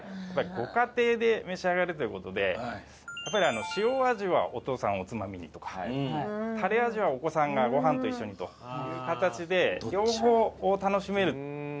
やっぱりご家庭で召し上がるという事でやっぱりしお味はお父さんおつまみにとかたれ味はお子さんがご飯と一緒にという形で両方楽しめる。